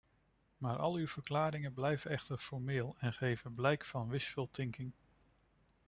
Maar al uw verklaringen blijven echter formeel en geven blijk van wishful thinking.